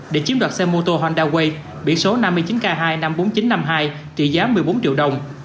để chiếm đoạt xe mô tô honda way biển số năm mươi chín k hai trăm năm mươi bốn nghìn chín trăm năm mươi hai trị giá một mươi bốn triệu đồng